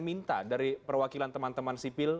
minta dari perwakilan teman teman sipil